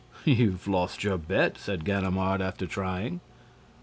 "You've lost your bet," said Ganimard, after trying.